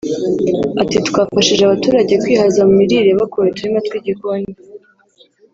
Ati” Twafashije abaturage kwihaza mu mirire bakora uturima tw’igikoni